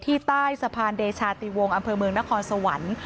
ใต้สะพานเดชาติวงศ์อำเภอเมืองนครสวรรค์